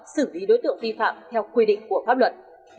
xử lý đối tượng vi phạm theo quy định của pháp luật